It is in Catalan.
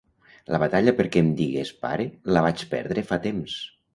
La batalla perquè em digués pare la vaig perdre fa temps.